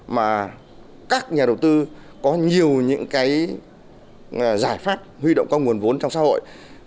mà các nhà đầu tư có nhiều những cái giải pháp huy động các nguồn vốn trong xã hội